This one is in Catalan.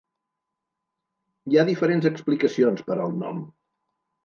Hi ha diferents explicacions per al nom.